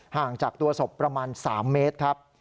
ห่างจากตัวศพประมาณ๓เมตรครับ